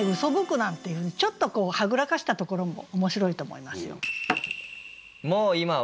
「嘯く」なんていうちょっとはぐらかしたところも面白いと思いますよ。